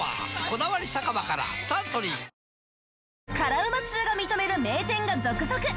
「こだわり酒場」からサントリー辛ウマ通が認める名店が続々！